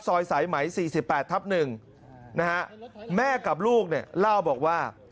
สายไหม๔๘ทับ๑นะฮะแม่กับลูกเนี่ยเล่าบอกว่า